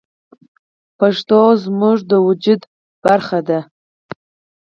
پښتو زموږ د وجود برخه ده.